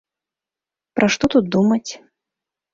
Пра што тут думаць?